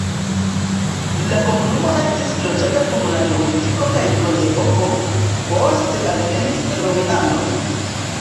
La komunumo estis loĝata dum la neolitiko kaj bronzepoko, poste alvenis romianoj.